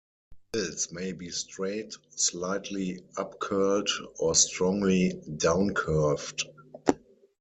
Bills may be straight, slightly upcurled or strongly downcurved.